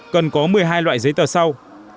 cần có một mươi hai loại giấy tờ sau